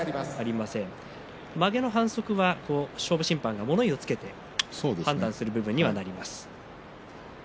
まげの反則は勝負審判が物言いをつけて判断する部分になります。